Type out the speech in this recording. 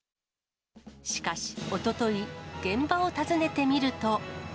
しかし、おととい、現場を訪ねてみると。